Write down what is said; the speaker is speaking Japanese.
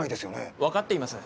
分かっています。